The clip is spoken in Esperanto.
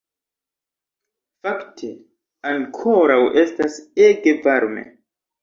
Fakte, ankoraŭ estas ege varme